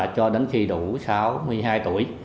cho đến khi đủ sáu mươi hai tuổi